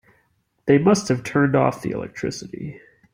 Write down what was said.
They must have turned off the electricity.